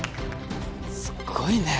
すっごいね。